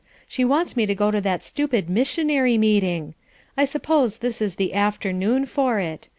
She wants me to go to that stupid missionary meeting. I suppose this is the afternoon for it.